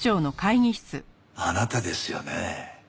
あなたですよね